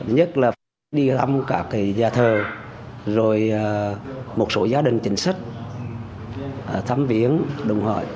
nhất là đi thăm cả cái gia thờ rồi một số gia đình trình sách thăm viễn đồng hội